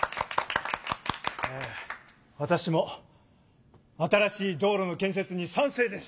えわたしも新しい道路の建設に賛成です！